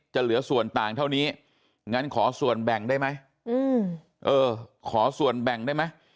เหลือส่วนต่างเท่านี้งั้นขอส่วนแบ่งได้ไหมขอส่วนแบ่งได้ไหม